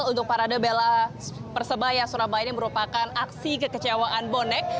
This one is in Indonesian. untuk parade bela persebaya surabaya ini merupakan aksi kekecewaan bonek